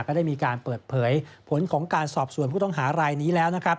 ก็ได้มีการเปิดเผยผลของการสอบสวนผู้ต้องหารายนี้แล้วนะครับ